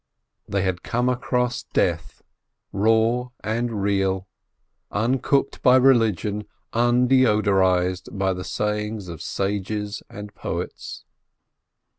They had come across death raw and real, uncooked by religion, undeodorised by the sayings of sages and poets.